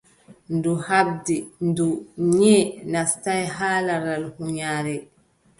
Ndu haɓdi, ndu, nyiʼe naastaay har laral huunyaare.